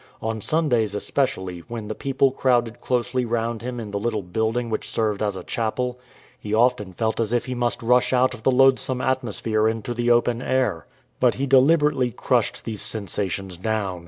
On Sundays especially, when the people crowded closely round him in the little building which served as a chapel, he often felt as if he must rush out of the loathsome atmosphere into the open air. But he de liberately crushed these sensations down.